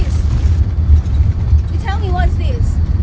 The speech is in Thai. อีทรีย์ที่ถูกประโยชน์